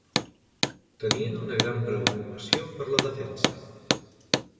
Tenien una gran preocupació per la defensa.